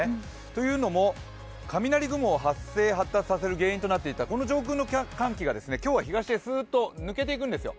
というのも、雷雲を発生、発達させる原因となっていたこの上空の寒気が今日は東へすーっと抜けていくんですよ。